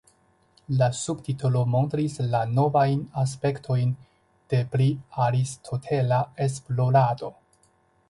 La subtitolo montris la novajn aspektojn de priaristotela esplorado.